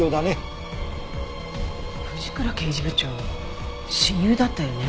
藤倉刑事部長の親友だったよね？